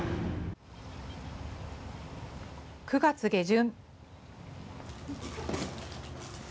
９月下旬。